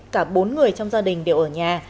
cả bốn người trong gia đình đều ở nhà